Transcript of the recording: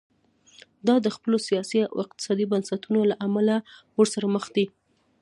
دا د خپلو سیاسي او اقتصادي بنسټونو له امله ورسره مخ دي.